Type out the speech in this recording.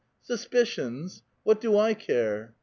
" Suspicions ! what do I care?